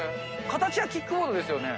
形はキックボードですよね。